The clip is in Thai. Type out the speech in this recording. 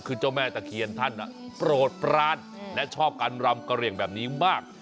คือเจ้าแม่ตะเคียนท่านโปรดปรานและชอบการรำกะเหลี่ยงแบบนี้มาก